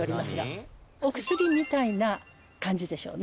お薬みたいな感じでしょうね。